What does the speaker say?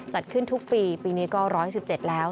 จัดขึ้นทุกปีปีนี้ก็๑๑๗แล้ว